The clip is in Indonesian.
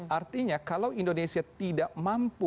artinya kalau indonesia tidak mampu